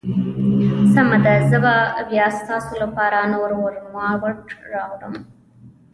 سمه ده، زه به بیا ستاسو لپاره نور ورماوټ راوړم.